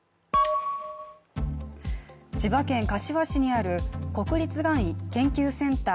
千葉県柏市にある国立がん研究センター